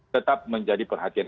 tetap menjadi perhatian